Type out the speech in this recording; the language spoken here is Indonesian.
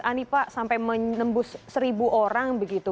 anipa sampai menembus seribu orang begitu